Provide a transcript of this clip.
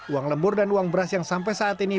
uang lembur dan uang beras yang sampai saat ini